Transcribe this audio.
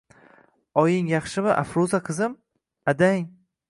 Oying yaxshimi Afruza kizim. Adang.